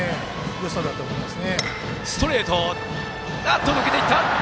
よさだと思います。